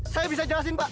saya bisa jelasin pak